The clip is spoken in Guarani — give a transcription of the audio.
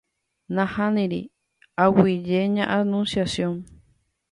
Nahániri aguyje ña Anunciación